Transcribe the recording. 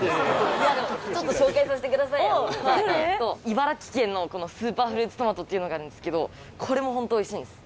茨城県のスーパーフルーツトマトっていうのがあるんですけどこれも本当おいしいんです。